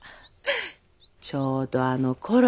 ちょうどあのころ。